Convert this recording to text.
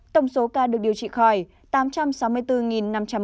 tổng số ca được điều trị khỏi tám trăm sáu mươi bốn năm trăm một mươi sáu